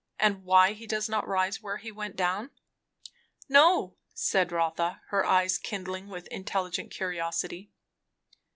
and why does he not rise where he went down?" "No " said Rotha, her eyes kindling with intelligent curiosity.